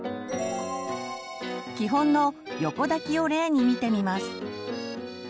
基本の横抱きを例に見てみます。